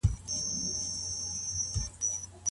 قلمي خط د لاسونو د تڼاکو په بیه بدلیږي.